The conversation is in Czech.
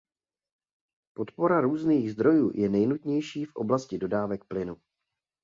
Podpora různých zdrojů je nejnutnější v oblasti dodávek plynu.